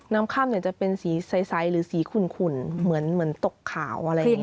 น้ำค่ำจะเป็นสีใสหรือสีขุ่นเหมือนตกขาวอะไรอย่างนี้